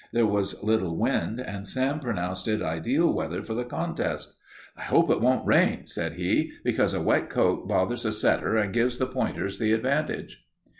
There was little wind, and Sam pronounced it ideal weather for the contest. "I hope it won't rain," said he, "because a wet coat bothers a setter and gives the pointers the advantage."